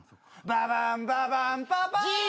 「ババンババンパパー」Ｇ！